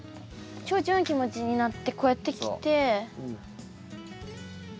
チョウチョの気持ちになってこうやって来て。